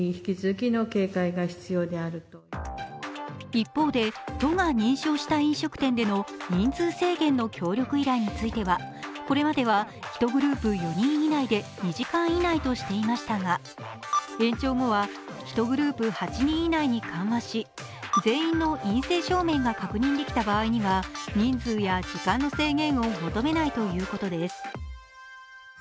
一方で都が認証した飲食店での人数制限の協力依頼についてはこれまでは１グループ４人以内で２時間以内としていましたが延長後は１グループ８人以内に緩和し、全員の陰性証明が確認できた場合には人数や時間の制限を求めないということです。